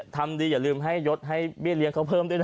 ทำดีอย่าลืมให้ยดให้เบี้ยเลี้ยงเขาเพิ่มด้วยนะ